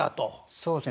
そうですね。